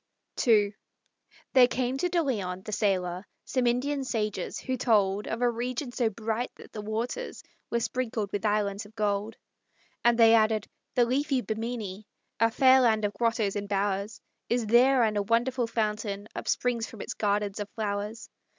II There came to De Leon, the sailor, Some Indian sages, who told Of a region so bright that the waters Were sprinkled with islands of gold. And they added: "The leafy Bimini, A fair land of grottos and bowers, Is there; and a wonderful fountain Upsprings from its gardens of flowers.